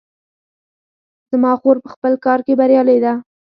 زما خور په خپل کار کې بریالۍ ده